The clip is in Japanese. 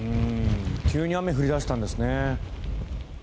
急に雨が降り出したんですね。